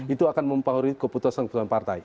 itu akan mempengaruhi keputusan keputusan partai